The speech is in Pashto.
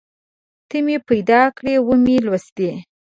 ته مې پیدا کړې ومې لوستې